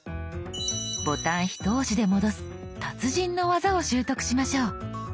ボタンひと押しで戻す達人の技を習得しましょう。